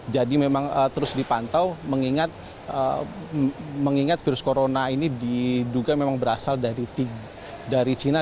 jadi memang terus dipantau mengingat virus corona ini diduga memang berasal dari cina